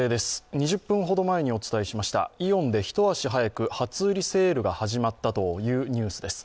２０分ほど前にお伝えしました、イオンで一足早く初売りセールが始まったというニュースです。